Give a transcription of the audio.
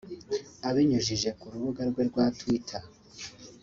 Abinyujije ku rubuga rwe rwa twitter